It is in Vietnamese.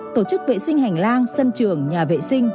tổ chức vệ sinh hành lang sân trường nhà vệ sinh